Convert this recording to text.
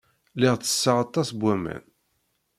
Lliɣ ttesseɣ aṭas n waman.